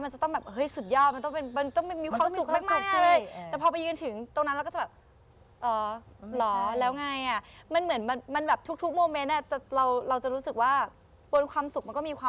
มันจะต้องอ่ะสุดยอดมันต้องมีความสุขมากทำไมอะ